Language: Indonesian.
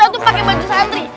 kita itu pakai baju santri